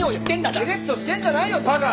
デレッとしてんじゃないよ馬鹿！